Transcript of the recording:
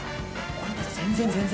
全然全然。